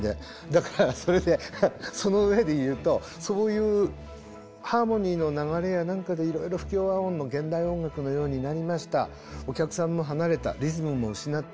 だからそれでその上で言うとそういうハーモニーの流れや何かでいろいろ不協和音の現代音楽のようになりましたお客さんも離れたリズムも失った。